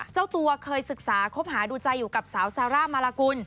เจ้าตัวเคยศึกษาคบหาดูใจอยู่กับสาวซาร่ามาลากุล